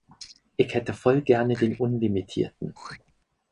Ich hätte voll gerne den unlimitierten.